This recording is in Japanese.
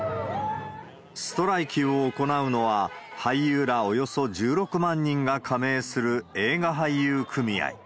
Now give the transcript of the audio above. ストライキを行うのは、俳優らおよそ１６万人が加盟する映画俳優組合。